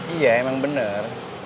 iya emang bener